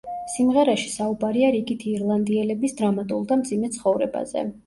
სიმღერაში საუბარია რიგითი ირლანდიელების დრამატულ და მძიმე ცხოვრებაზე.